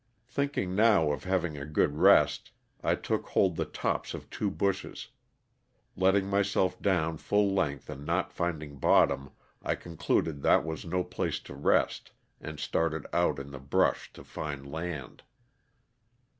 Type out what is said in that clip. Thinking now of having a good rest, I took hold the tops of two bushes; letting myself down full length and not finding bottom I concluded that was no place to rest and started out in the brush to find land.